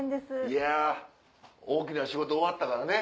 いや大きな仕事終わったからね